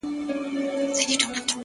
تېره جنازه سوله اوس ورا ته مخامخ يمه’